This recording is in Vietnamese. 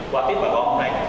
qua tiếp bà con hôm nay